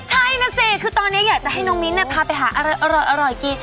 ใช่นะสิคือตอนนี้อยากจะให้น้องมิ้นพาไปหาอะไรอร่อยกิน